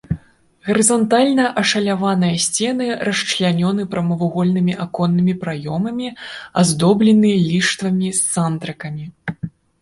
Гарызантальна ашаляваныя сцены расчлянёны прамавугольнымі аконнымі праёмамі, аздоблены ліштвамі з сандрыкамі.